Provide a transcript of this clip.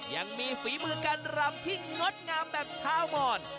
ยังมีฝีมือการรำที่งดงามแบบชาวมอน